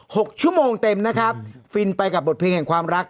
หกชั่วโมงเต็มนะครับฟินไปกับบทเพลงแห่งความรัก